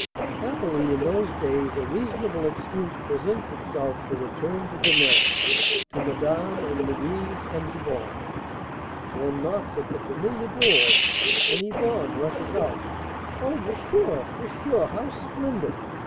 Happily in those days a reasonable excuse presents itself to return to Denain, to Madame and Louise and Yvonne. One OPERATIONS: OCT. 20 30 351 knocks at the familiar door and Yvonne rushes out. "Oh, Monsieur, Monsieur, how splendid!